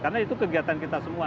karena itu kegiatan kita semua